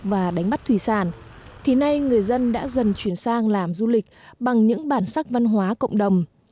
và đánh bắt thủy sản thì nay người dân đã dần chuyển sang làm du lịch bằng những bản sắc văn hóa cộng đồng